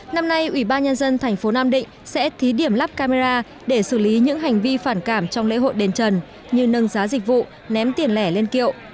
năm nay ủy ban nhân dân thành phố nam định sẽ thí điểm lắp camera để xử lý những hành vi phản cảm trong lễ hội đền trần như nâng giá dịch vụ ném tiền lẻ lên kiệu